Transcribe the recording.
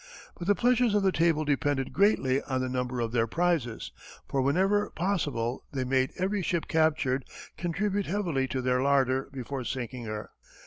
But the pleasures of the table depended greatly on the number of their prizes, for whenever possible they made every ship captured contribute heavily to their larder before sinking her.